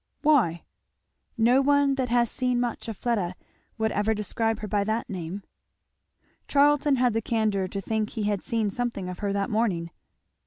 "Why?" "No one that has seen much of Fleda would ever describe her by that name." Charlton had the candour to think he had seen something of her that morning.